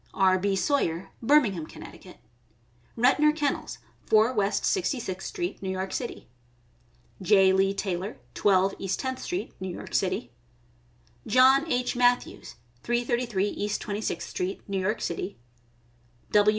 R. B. Sawyer, Birmingham, Conn. ; Retnor Kennels, 4 West Sixty sixth street, New York City; J. Lee Tailer, 12 East Tenth street, New York City; John H. Matthews, 333 East Twenty sixth street, New York City; W.